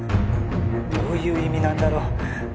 どういう意味なんだろ？